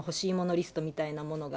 リストみたいなものが。